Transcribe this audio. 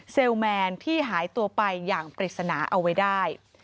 แมนที่หายตัวไปอย่างปริศนาเอาไว้ได้